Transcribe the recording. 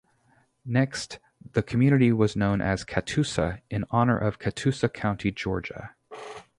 Next, the community was known as Catoosa, in honor of Catoosa County, Georgia.